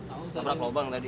abrak lubang tadi